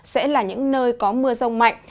sẽ là những nơi có mưa rông mạnh